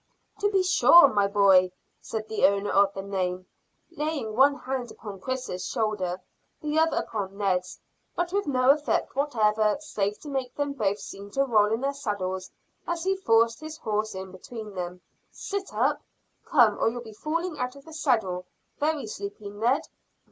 "To be sure, my boy," said the owner of the name, laying one hand upon Chris's shoulder, the other upon Ned's, but with no effect whatever save to make them both seem to roll in their saddles as he forced his horse in between them. "Sit up; come, or you'll be falling out of the saddle. Very sleepy, Ned?"